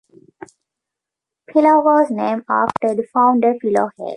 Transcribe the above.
Philo was named after the founder Philo Hale.